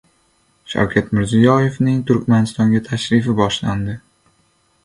Shavkat Mirziyoyevning Turkmanistonga tashrifi boshlandi